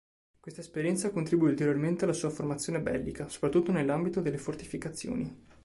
Questa esperienza contribuì ulteriormente alla sua formazione bellica, soprattutto nell'ambito delle fortificazioni.